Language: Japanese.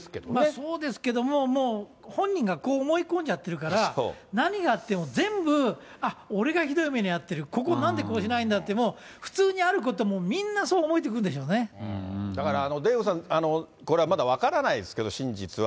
そうですけども、もう本人がこう思い込んじゃってるから、何があっても、全部、あっ、俺がひどい目に遭ってる、ここ、なんでこうしないんだって、もう普通にあることも、みんなそう思だから、デーブさん、これはまだ分からないですけど、真実は。